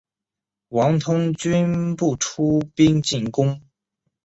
王通均不出兵进攻。